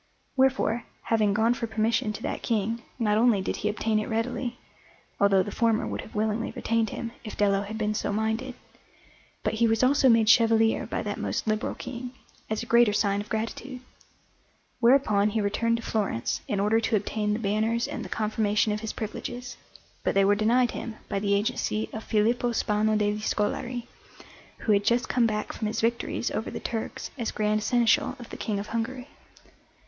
Wherefore, having gone for permission to that King, not only did he obtain it readily (although the former would have willingly retained him, if Dello had been so minded), but he was also made chevalier by that most liberal King, as a greater sign of gratitude. Whereupon he returned to Florence in order to obtain the banners and the confirmation of his privileges, but they were denied him by the agency of Filippo Spano degli Scolari, who had just come back from his victories over the Turks as Grand Seneschal of the King of Hungary.